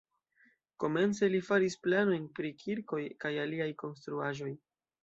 Komence li faris planojn pri kirkoj kaj aliaj konstruaĵoj.